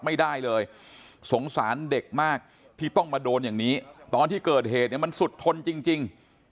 ไม่ได้เลยสงสารเด็กมากที่ต้องมาโดนอย่างนี้มันสุดทนจริง